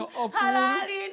halalin aku dulu bang